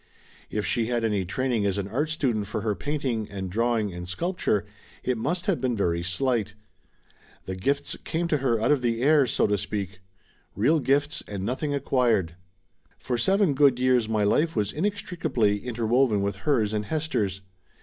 If she had any training as an art student for her painting and drawing and sculpture, it must have been very slight. The gifts came to her out of the air, so to speak; real gifts and nothing acquired. For seven good years my Ufe was inextricably inter woven with hers and Hester's.